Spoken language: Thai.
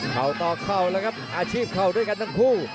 เขาต่อเข่าแล้วครับอาชีพเขาด้วยกันทั้งคู่